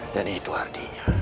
dan itu artinya